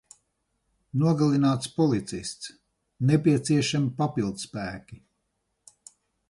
Nogalināts policists. Nepieciešami papildspēki.